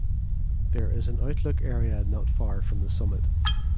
There is an outlook area not far from the summit.